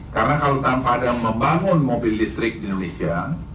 karena kalau tanpa ada membangun mobil listrik di indonesia